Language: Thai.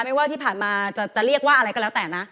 ไม่ว่าที่ผ่านมาจะเรียกว่าอะไรก็แล้วแต่นะ